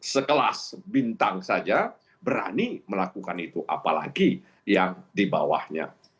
sekelas bintang saja berani melakukan itu apalagi yang di bawahnya